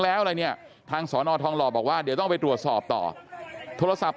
แล้วอะไรเนี่ยทางสอนอทองหล่อบอกว่าเดี๋ยวต้องไปตรวจสอบต่อโทรศัพท์